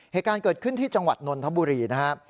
เหตุการณ์เกิดขึ้นที่จังหวัดนนทบุรีนะครับ